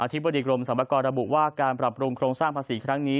ธิบดีกรมสรรพากรระบุว่าการปรับปรุงโครงสร้างภาษีครั้งนี้